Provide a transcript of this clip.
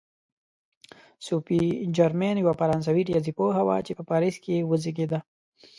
صوفي جرمین یوه فرانسوي ریاضي پوهه وه چې په پاریس کې وزېږېده.